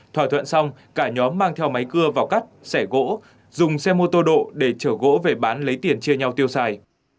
thỏa thuận xong cả nhóm mang theo máy cưa vào cắt sẻ gỗ dùng xe mô tô độ để chở gỗ về bán lấy tiền chia nhau tiêu xài